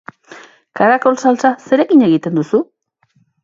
Karakol saltsa zerekin egiten duzu?